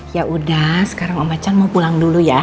ya udah sekarang om macan mau pulang dulu ya